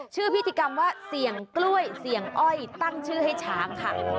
ชื่อพิธีกรรมเสี่ยงกล้วยเสี่ยงอ้อยตั้งชื่อให้ช้าง